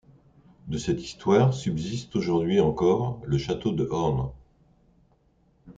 De cette histoire subsiste aujourd'hui encore le Château de Horn.